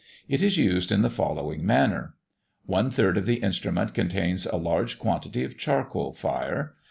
It is used in the following manner: One third of the instrument contains a large quantity of charcoal fire.